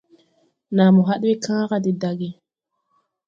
Nàa mo haɗ we kããra de dage.